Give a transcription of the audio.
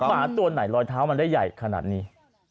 หมาตัวไหนรอยเท้ามันได้ใหญ่ขนาดนี้